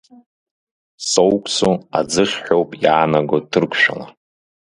Соуксу аӡыхь ҳәоуп иаанаго ҭырқәшәала.